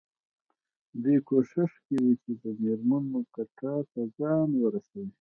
دوی کوښښ کوي چې د مېرمنو کتار ته ځان ورسوي.